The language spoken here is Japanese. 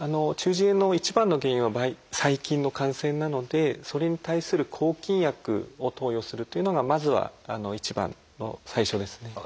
中耳炎の一番の原因は細菌の感染なのでそれに対する抗菌薬を投与するというのがまずは一番最初ですね。